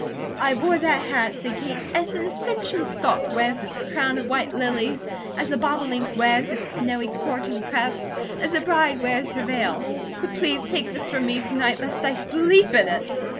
"I wore that hat," said Kate, "as an ascension stalk wears its crown of white lilies, as a bobolink wears its snowy courting crest, as a bride wears her veil; but please take this from me to night, lest I sleep in it!"